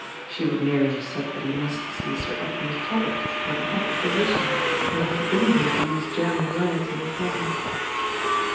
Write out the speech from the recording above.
She would merely have said that he must see Sir Edmund Tobbitt, her pet physician, and have for bidden him to use German words in her presence.